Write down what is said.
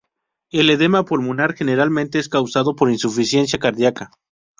El edema pulmonar generalmente es causado por insuficiencia cardíaca.